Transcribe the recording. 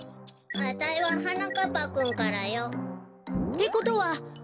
あたいははなかっぱくんからよ。ってことは。